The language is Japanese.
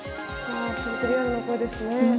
すごくリアルな声ですね。